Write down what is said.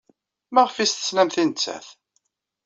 Maɣef ay as-teslamt i nettat?